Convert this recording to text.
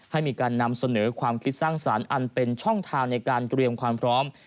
ให้มีการนำเสนอความคิดสร้างสรรค์อันเป็นช่องทางในการเตรียมความพร้อม